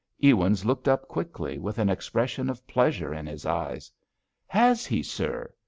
Ewins looked up quickly, with an expression of pleasure in his eyes. "Has he, sir?"